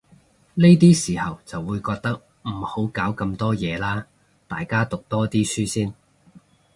呢啲時候就會覺得，唔好搞咁多嘢喇，大家讀多啲書先